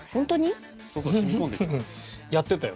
やってたよ